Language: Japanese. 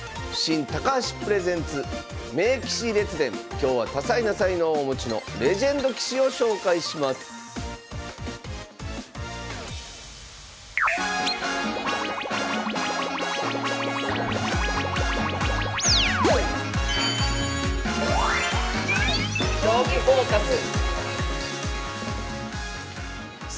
今日は多彩な才能をお持ちのレジェンド棋士を紹介しますさあ